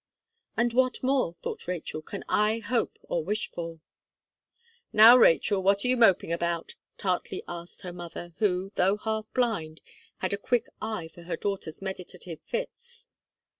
"And what more," thought Rachel, "can I hope or wish for?" "Now, Rachel, what are you moping about?" tartly asked her mother, who, though half blind, had a quick eye for her daughter's meditative fits.